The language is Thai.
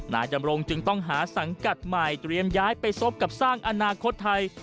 นายดำรงจึงต้องหาสังกัดใหม่เตรียมย้ายไปซบกับสร้างอนาคตไทย